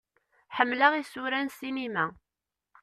Ḥemmleɣ isura n ssinima.